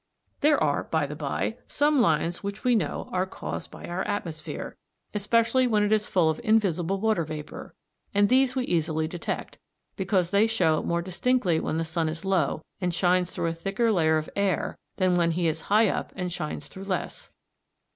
There are, by the bye, some lines which we know are caused by our atmosphere, especially when it is full of invisible water vapour, and these we easily detect, because they show more distinctly when the sun is low and shines through a thicker layer of air than when he is high up and shines through less.